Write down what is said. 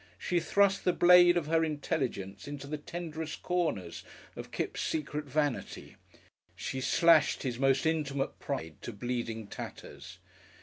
She thrust the blade of her intelligence into the tenderest corners of Kipps' secret vanity, she slashed his most intimate pride to bleeding tatters.